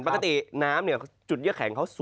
ปกติน้ำเนี่ยจุดเยื้อแข็งเขา